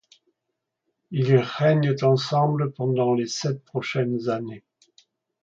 Ils règnent ensemble pendant les sept prochaines années.